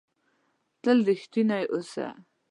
تل ریښتونی اووسه!